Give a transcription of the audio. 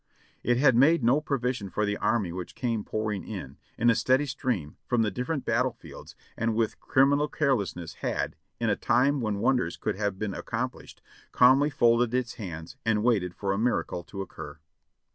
It had made no pro vision for the army which came pouring in, in a steady stream, from the different battle fields, and with criminal carelessness had, in a time when wonders could have been accomplished, calmly folded its hands and waited for a miracle to occur.